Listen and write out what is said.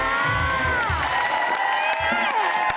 เปลี่ยนตัวเองกันสิเปลี่ยนตัวเองกันสิ